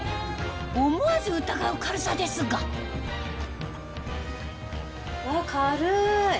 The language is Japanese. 思わず疑う軽さですがあ軽い！